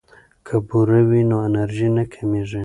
که بوره وي نو انرژي نه کمیږي.